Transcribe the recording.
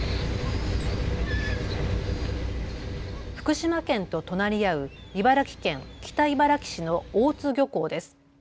福島県と隣り合う茨城県北茨城市の大津漁港です。